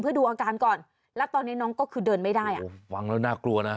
เพื่อดูอาการก่อนแล้วตอนนี้น้องก็คือเดินไม่ได้อ่ะโอ้ฟังแล้วน่ากลัวนะ